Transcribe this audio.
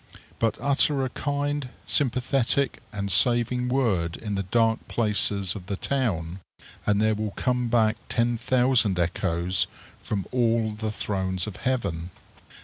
But utter a kind, sympathetic, and saving word in the dark places of the town, and there will come back ten thousand echoes from all the thrones of heaven.